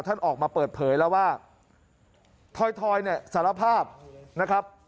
ท่านออกมาเปิดเผยแล้วว่าทอยเนี่ยสารภาพนะครับ